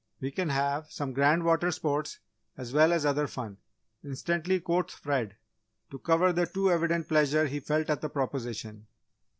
"We can have some grand water sports as well as other fun," instantly quoth Fred, to cover the too evident pleasure he felt at the proposition.